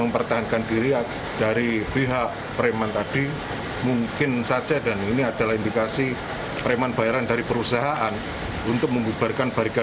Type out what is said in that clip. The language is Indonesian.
beruntung petugas polrestabes surabaya